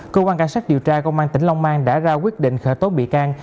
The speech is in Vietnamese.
cơ quan cảnh sát điều tra công an tỉnh long an đã ra quyết định khởi tố bị can